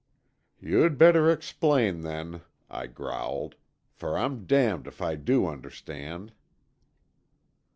"You'd better explain, then," I growled, "for I'm damned if I do understand."